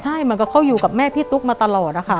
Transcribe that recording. ใช่ก็คือเค้าอยู่กับเม่พี่ตุ๊คมาตลอดละค่ะ